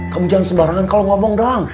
kamu jangan sembarangan kalau ngomong dang